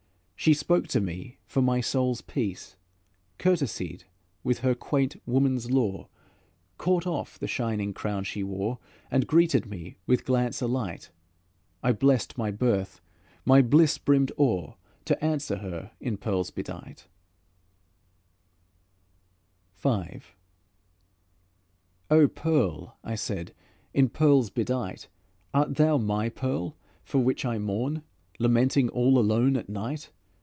She spoke to me for my soul's peace, Courtesied with her quaint woman's lore, Caught off the shining crown she wore, And greeted me with glance alight. I blessed my birth; my bliss brimmed o'er To answer her in pearls bedight. V "O Pearl," I said, "in pearls bedight, Art thou my pearl for which I mourn, Lamenting all alone at night?